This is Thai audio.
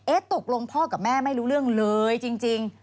ตกลงพ่อกับแม่ไม่รู้เรื่องเลยจริง